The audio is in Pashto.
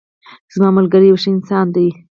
زما ملګری یو ښه انسان ده